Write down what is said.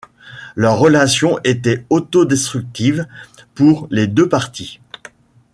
Leur relation était autodestructive pour les deux parties.